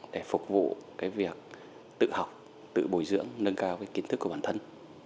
để phục vụ cái việc tự học tự bồi dưỡng nâng cao cái kiến thức của bản thân